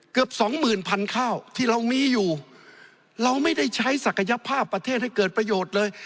เกือบสองหมื่นพันข้าวที่เรามีอยู่เราไม่ได้ใช้ศักยภาพประเทศให้เกิดประโยชน์เลย